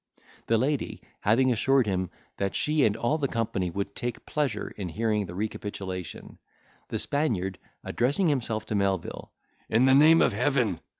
The lady having assured him, that she and all the company would take pleasure in hearing the recapitulation, the Spaniard, addressing himself to Melvil, "In the name of Heaven!"